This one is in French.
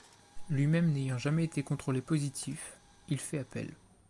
Lui-même n'ayant jamais été contrôlé positif, il fait appel.